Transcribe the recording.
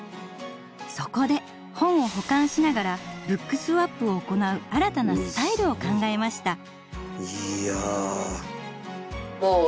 そこで本を保管しながらＢｏｏｋＳｗａｐを行う新たなスタイルを考えました。